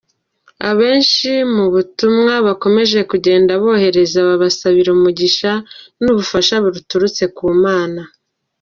Abenshi mu butumwa bakomeje kugenda bohereza babasabiye umugisha n’ubufasha buturutse ku Mana.